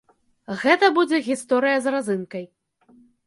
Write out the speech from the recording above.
Гэта будзе гісторыя з разынкай.